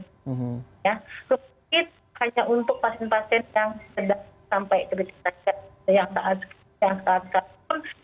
terus mungkin hanya untuk pasien pasien yang sedang sampai keberdekatan yang saat saat pun